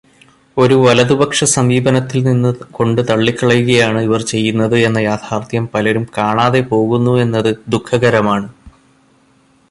ഒരു വലതുപക്ഷസമീപനത്തിൽ നിന്നു കൊണ്ട് തള്ളിക്കളയുകയാണ് ഇവർ ചെയ്യുന്നത് എന്ന യാഥാർഥ്യം പലരും കാണാതെ പോകുന്നു എന്നത് ദുഃഖകരമാണ്.